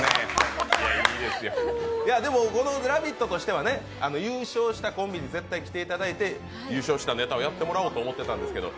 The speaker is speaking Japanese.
でも、「ラヴィット！」としては優勝したコンビに絶対来ていただいて、優勝したネタをやってもらおうと思ってたんですけど。